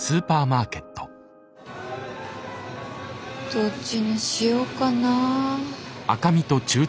どっちにしようかなぁ。